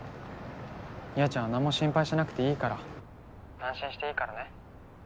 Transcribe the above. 優愛ちゃんはなんも心配しなくていいから安心していいからね。